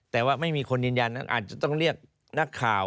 แต่ว่าไม่มีคนยืนยันนั้นอาจจะต้องเรียกนักข่าว